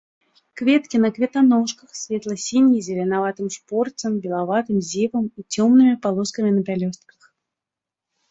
Кветкі на кветаножках, светла-сінія з зеленаватым шпорцам, белаватым зевам і цёмнымі палоскамі на пялёстках.